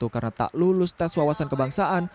karena tak lulus tes wawasan kebangsaan